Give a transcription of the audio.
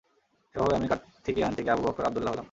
এভাবেই আমি কার্থিকেয়ান থেকে আবু বকর আবদুল্লাহ হলাম।